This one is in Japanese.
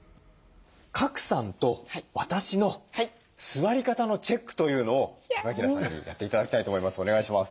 賀来さんと私の座り方のチェックというのを高平さんにやって頂きたいと思います。